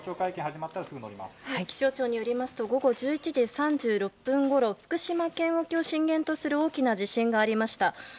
気象庁によりますと午後１１時３６分ごろ福島県沖を震源とする大きな地震がありました。